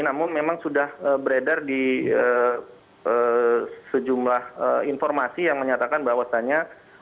namun memang sudah beredar di sejumlah informasi yang menyatakan bahwasannya